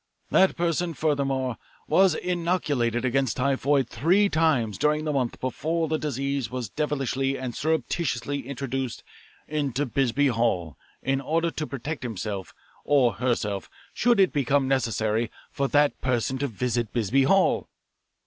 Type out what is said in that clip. That person, furthermore, was inoculated against typhoid three times during the month before the disease was devilishly and surreptitiously introduced into Bisbee Hall, in order to protect himself or herself should it become necessary for that person to visit Bisbee Hall.